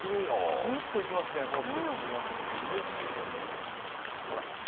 スーッといきますね、フォーク。